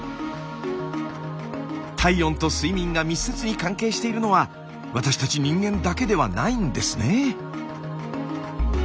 体温と睡眠が密接に関係しているのは私たち人間だけではないんですね。